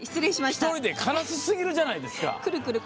１人で悲しすぎるじゃないですか。